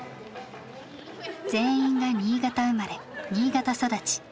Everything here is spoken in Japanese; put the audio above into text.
全員が新潟生まれ新潟育ち。